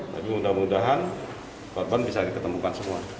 tapi mudah mudahan korban bisa diketemukan semua